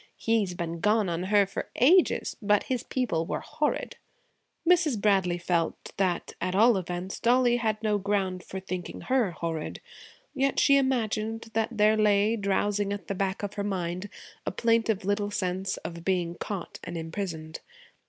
He's been gone on her for ages, but his people were horrid.' Mrs. Bradley felt that, at all events, Dollie had no ground for thinking her 'horrid'; yet she imagined that there lay drowsing at the back of her mind a plaintive little sense of being caught and imprisoned.